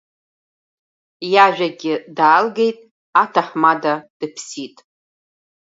Иажәагьы даалгеит, аҭаҳмада дыԥсит.